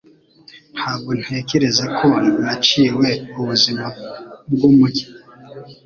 Ntabwo ntekereza ko naciwe ubuzima bwumujyi